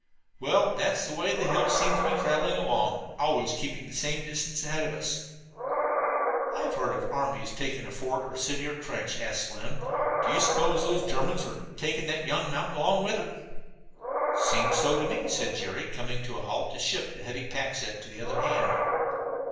"Well, that's the way that hill seems to be traveling along, always keeping the same distance ahead of us." "I've heard of armies 'taking' a fort, or a city, or a trench," said Slim. "Do you suppose those Germans are 'taking' that young mountain along with them?" "Seems so to me," said Jerry, coming to a halt to shift the heavy pack set to the other hand.